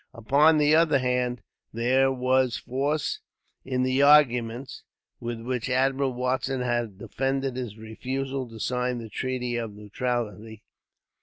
Upon the other hand, there was force in the arguments with which Admiral Watson had defended his refusal to sign the treaty of neutrality.